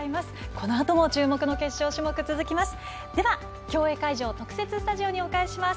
このあとも注目の決勝種目続きます。